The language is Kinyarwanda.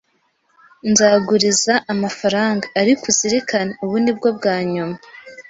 Nzaguriza amafaranga, ariko uzirikane, ubu ni bwo bwa nyuma